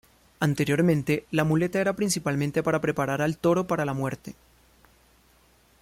Anteriormente la muleta era principalmente para preparar al toro para la muerte.